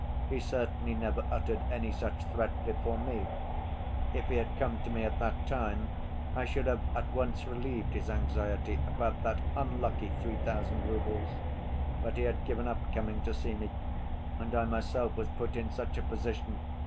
He certainly never uttered any such threat before me. If he had come to me at that time, I should have at once relieved his anxiety about that unlucky three thousand roubles, but he had given up coming to see me ... and I myself was put in such a position